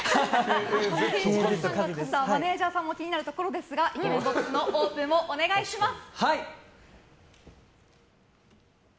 マネジャーさんも気になるところですがイケメンボックスのオープンお願いします。